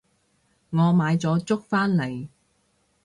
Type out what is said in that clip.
我買咗粥返嚟